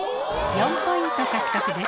４ポイント獲得です。